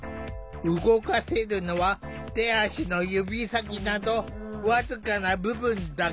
動かせるのは手足の指先など僅かな部分だけ。